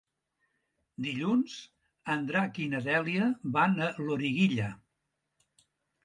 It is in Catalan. Dilluns en Drac i na Dèlia van a Loriguilla.